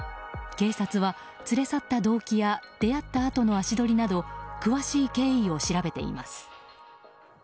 警察は、連れ去った動機や出会ったあとの足取りなど詳しい経緯を調べています。